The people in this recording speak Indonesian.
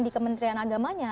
di kementerian agamanya